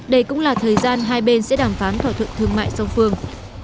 đây cũng là thời gian hai bên sẽ đàm phán thỏa thuận thương mại song phương